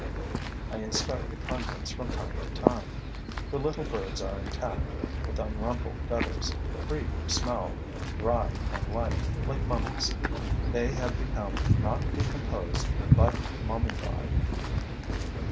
I inspect the contents from time to time. The little birds are intact, with unrumpled feathers, free from smell, dry and light, like mummies. They have become not decomposed, but mummified.